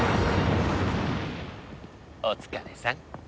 お疲れさん。